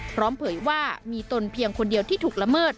เผยว่ามีตนเพียงคนเดียวที่ถูกละเมิด